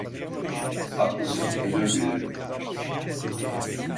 Haklısın, özür dilerim.